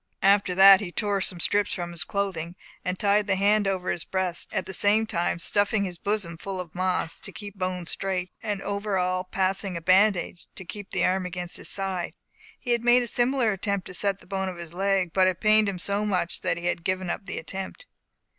After that he tore some strips from his clothing, and tied the hand over his breast, at the same time stuffing his bosom full of moss, to keep the bone straight, and over all passing a bandage, to keep the arm against his side. He had made a similar attempt to set the bone of his leg, but it pained him so much that he had given up the attempt.